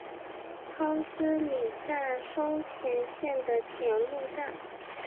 汤之里站松前线的铁路站。